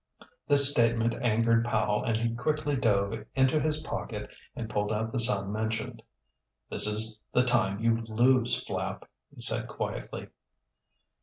This statement angered Powell and he quickly dove into his pocket and pulled out the sum mentioned. "This is the time you lose, Flapp," he said quietly.